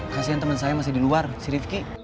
kasian teman saya masih di luar si rivki